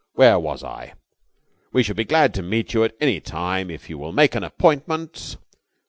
Where was I? 'We should be glad to meet you at any time, if you will make an appointment...'